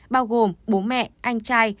bao gồm bố mẹ anh trai